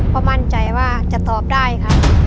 ก็มั่นใจว่าจะตอบได้ค่ะ